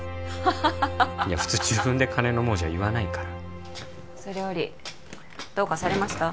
ハハハハいや普通自分で「金の亡者」言わないからそれよりどうかされました？